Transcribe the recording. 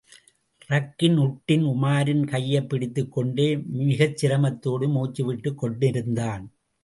ரக்கின் உட்டின் உமாரின் கையைப் பிடித்துக் கொண்டே மிக்சிரமத்தோடு, மூச்சுவிட்டுக் கொண்டிருந்தான்.